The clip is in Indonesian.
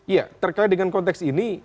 ya terkait dengan konteks ini